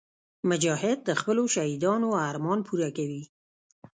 مجاهد د خپلو شهیدانو ارمان پوره کوي.